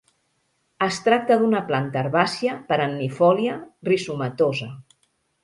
Es tracta d'una planta herbàcia, perennifòlia, rizomatosa.